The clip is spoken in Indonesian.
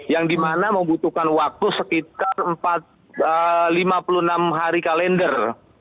yang dimana membutuhkan waktu sekitar lima puluh enam hari kalender